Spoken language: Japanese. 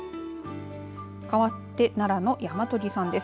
かわって、奈良の山磨さんです。